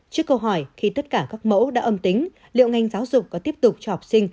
trước câu hỏi khi tất cả các mẫu đã âm tính liệu ngành giáo dục có tiếp tục cho học sinh